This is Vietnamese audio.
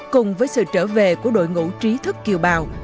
cùng với sự trở về của đội ngũ trí thức kiều bào